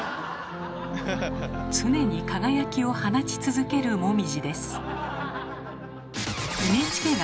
常に輝きを放ち続けるもみじです。